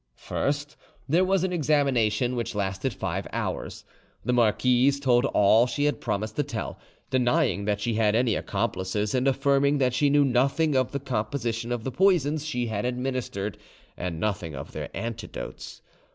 First, there was an examination which lasted five hours. The marquise told all she had promised to tell, denying that she had any accomplices, and affirming that she knew nothing of the composition of the poisons she had administered, and nothing of their antidotes.